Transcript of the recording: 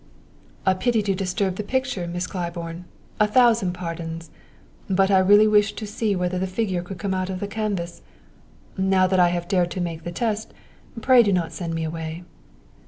"A pity to disturb the picture, Miss Claiborne! A thousand pardons! But I really wished to see whether the figure could come out of the canvas. Now that I have dared to make the test, pray do not send me away."